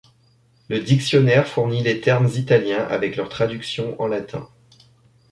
Le dictionnaire fournit les termes italiens avec leur traduction en latin.